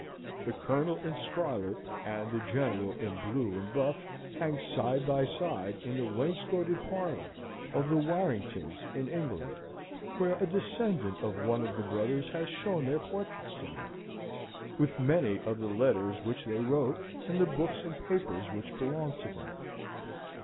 The colonel in scarlet, and the general in blue and buff, hang side by side in the wainscoted parlour of the Warringtons, in England, where a descendant of one of the brothers has shown their portraits to me, with many of the letters which they wrote, and the books and papers which belonged to them.